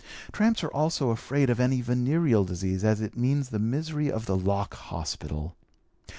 Tramps are also afraid of any venereal disease as it means the misery of the Lock Hospital.